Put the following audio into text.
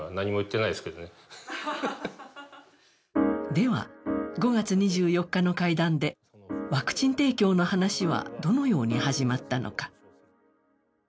では、５月２４日の会談でワクチン提供の話はどのように始まったのか。